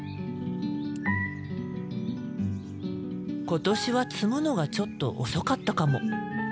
今年は摘むのがちょっと遅かったかも。